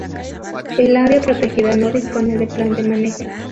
El área protegida no dispone de plan de manejo.